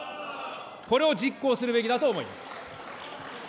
これを実行するべきだと思います。